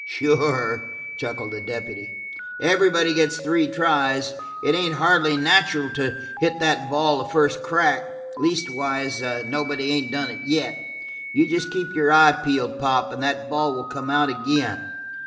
"Sure," chuckled the deputy. "Everybody gets three tries. It ain't hardly nacheral to hit that ball the first crack. Leastways, nobody ain't done it yet. You jest keep your eye peeled, Pop, and that ball will come out ag'in."